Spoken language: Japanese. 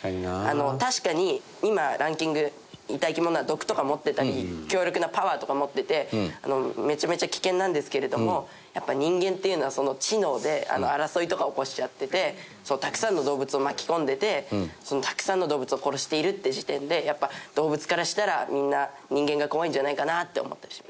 確かに今ランキングにいた生き物は毒とか持ってたり強力なパワーとか持っててめちゃめちゃ危険なんですけれどもやっぱ人間っていうのは知能で争いとか起こしちゃっててたくさんの動物を巻き込んでてたくさんの動物を殺しているって時点でやっぱ動物からしたらみんな人間が怖いんじゃないかなって思ったりします。